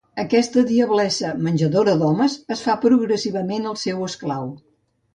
Aquesta diablessa menjadora d'homes en fa progressivament el seu esclau.